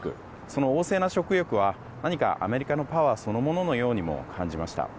その旺盛な食欲は何かアメリカのパワーそのもののようにも感じました。